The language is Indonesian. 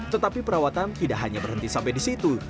tetapi perawatan tidak hanya berhenti sampai di situ